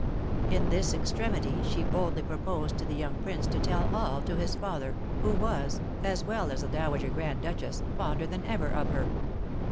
In this extremity she boldly proposed to the young prince to tell all to his father, who was, as well as the Dowager Grand Duchess, fonder than ever of her.